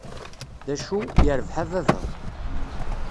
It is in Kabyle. D acu, yirbeḥ a baba".